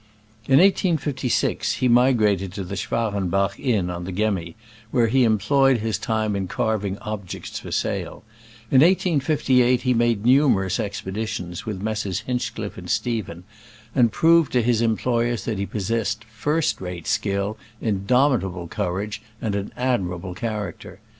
In 1856 he migrated to the Schwarenbach inn on the Gemmi, where he employed his time in carving objects for sale. In 1858 he made numerous expeditions with Messrs. Hinchcliff and Stephen, and 6 proved to his employers that he possess ed first rate skill, indomitable courage and an admirable character.